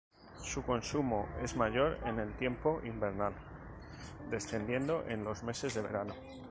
Su consumo es mayor en el tiempo invernal, descendiendo en los meses de verano.